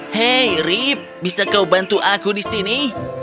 hei rip bisa kau bantu aku di sini